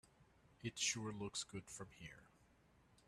It sure looks good from here.